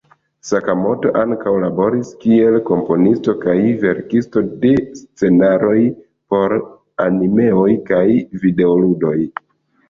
Sakamoto ankaŭ laboris kiel komponisto kaj verkisto de scenaroj por animeoj kaj videoludoj.